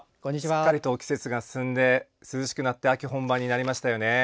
すっかりと季節が進んで秋本番になりましたよね。